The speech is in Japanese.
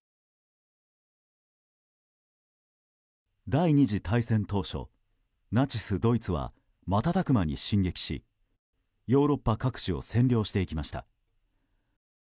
第２次大戦当初ナチスドイツは瞬く間に進撃しヨーロッパ各地を占領していきました。